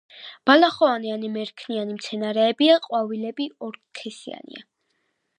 ბალახოვანი ან მერქნიანი მცენარეებია, ყვავილები ორსქესიანია.